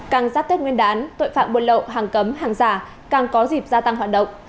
càng giáp tết nguyên đán tội phạm buôn lậu hàng cấm hàng giả càng có dịp gia tăng hoạt động